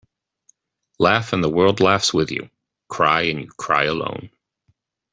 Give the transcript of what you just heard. Laugh and the world laughs with you. Cry and you cry alone.